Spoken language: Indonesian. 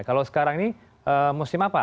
kalau sekarang ini musim apa